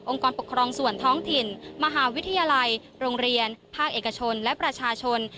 กรปกครองส่วนท้องถิ่นมหาวิทยาลัยโรงเรียนภาคเอกชนและประชาชน